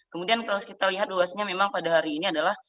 kemudian kalau kita lihat luasnya memang pada hari ini adalah